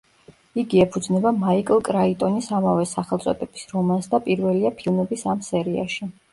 იგი ეფუძნება მაიკლ კრაიტონის ამავე სახელწოდების რომანს და პირველია ფილმების ამ სერიაში.